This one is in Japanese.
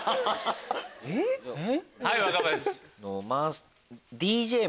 はい若林。